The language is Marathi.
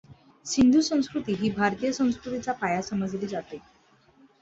सिंधू संस्कृती ही भारतीय संस्कृतीचा पाया समजली जाते.